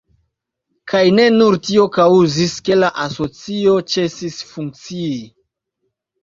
Kaj ne nur tio kaŭzis, ke la asocio ĉesis funkcii.